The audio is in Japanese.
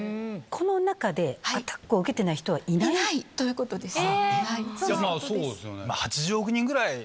この中で、アタックを受けていないということです。